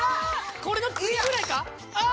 これの次ぐらいか？